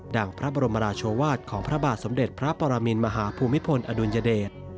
พระบรมราชวาสของพระบาทสมเด็จพระปรมินมหาภูมิพลอดุลยเดช